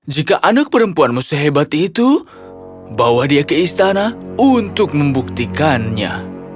jika anak perempuanmu sehebat itu bawa dia ke istana untuk membuktikannya